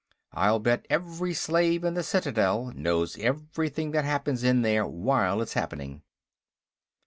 I'll bet every slave in the Citadel knows everything that happens in there while it's happening."